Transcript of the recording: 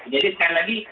jadi sekali lagi